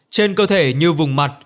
trên cơ thể như vùng mặt